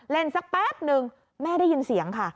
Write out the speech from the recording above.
สักแป๊บนึงแม่ได้ยินเสียงค่ะ